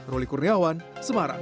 roli kurniawan semarang